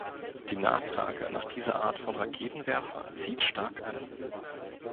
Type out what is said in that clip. Die Nachfrage nach dieser Art von Raketenwerfer zieht stark an.